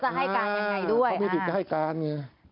เขามีผิดจะให้การ